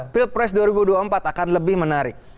pilpres dua ribu dua puluh empat akan lebih menarik